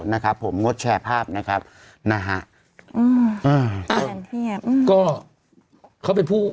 นะครับผมงดแชร์ภาพนะครับนะฮะอือหือก็เขาเป็นผู้